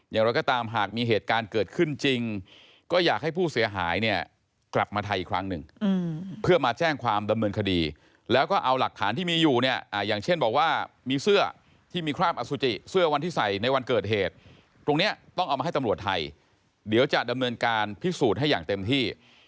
อย่างไรก็ตามหากมีเหตุการณ์เกิดขึ้นจริงก็อยากให้ผู้เสียหายเนี่ยกลับมาไทยอีกครั้งหนึ่งเพื่อมาแจ้งความดำเนินคดีแล้วก็เอาหลักฐานที่มีอยู่เนี่ยอย่างเช่นบอกว่ามีเสื้อที่มีคราบอสุจิเสื้อวันที่ใส่ในวันเกิดเหตุตรงนี้ต้องเอามาให้ตำรวจไทยเดี๋ยวจะดำเนินการพิสูจน์ให้อย่างเต็มที่